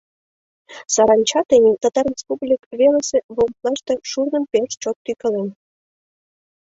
Саранча тений Татар республик велысе волостьлаште шурным пеш чот тӱкален.